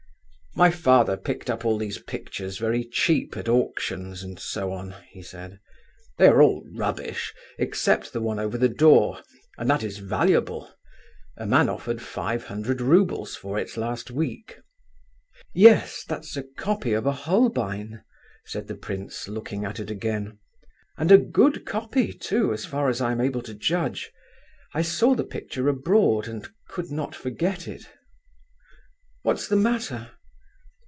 "My father picked up all these pictures very cheap at auctions, and so on," he said; "they are all rubbish, except the one over the door, and that is valuable. A man offered five hundred roubles for it last week." "Yes—that's a copy of a Holbein," said the prince, looking at it again, "and a good copy, too, so far as I am able to judge. I saw the picture abroad, and could not forget it—what's the matter?"